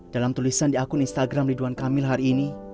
dalam tulisan di akun instagram ridwan kamil hari ini